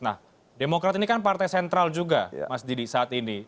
nah demokrat ini kan partai sentral juga mas didi saat ini